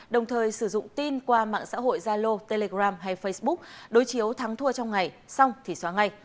đồng thời sử dụng tin qua mạng xã hội zalo telegram hay facebook đối chiếu thắng thua trong ngày xong thì xóa ngay